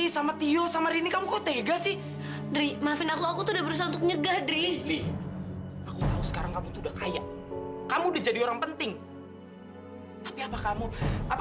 sampai jumpa di video selanjutnya